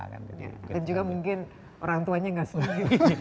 dan juga mungkin orang tuanya gak suka